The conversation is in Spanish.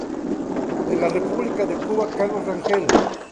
Por la República de Cuba: Carlos Rangel.